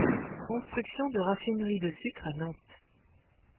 Construction de raffineries de sucre à Nantes.